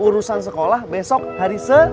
urusan sekolah besok hari se